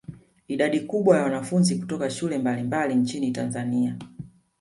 Idadi kubwa ya wanafunzi kutoka shule mbalimbali nchini Tanzania